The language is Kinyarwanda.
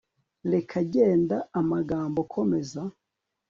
reka genda amagambo komeza